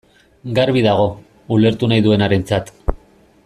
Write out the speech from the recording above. Garbi dago, ulertu nahi duenarentzat.